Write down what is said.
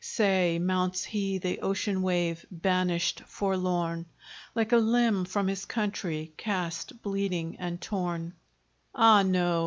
Say, mounts he the ocean wave, banished, forlorn, Like a limb from his country cast bleeding and torn? Ah no!